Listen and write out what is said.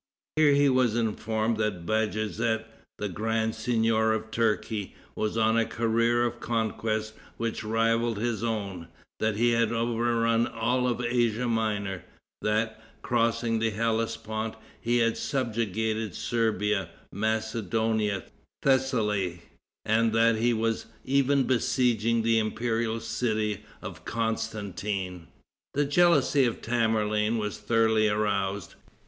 Here he was informed that Bajazet, the Grand Seignior of Turkey, was on a career of conquest which rivaled his own; that he had overrun all of Asia Minor; that, crossing the Hellespont, he had subjugated Serbia, Macedonia, Thessaly, and that he was even besieging the imperial city of Constantine. The jealousy of Tamerlane was thoroughly aroused.